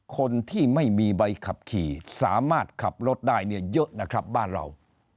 คนที่ไม่มีใบขับขี่สามารถขับรถได้เนี่ยเยอะนะครับบ้านเรา